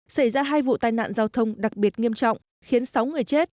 xảy ra hai vụ tai nạn giao thông đặc biệt nghiêm trọng khiến sáu người chết